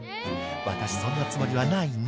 私そんなつもりはないの」